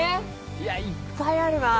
いやいっぱいあるなぁ。